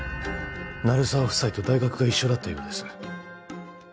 鳴沢夫妻と大学が一緒だったようです